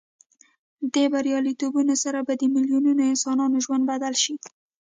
دې بریالیتوب سره به د میلیونونو انسانانو ژوند بدل شي.